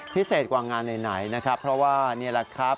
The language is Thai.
พิเศษกว่างานไหนนะครับเพราะว่านี่แหละครับ